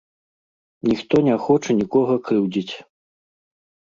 Ніхто не хоча нікога крыўдзіць.